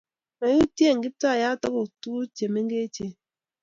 Mayutien Kiptayat akot tuguk che mengechen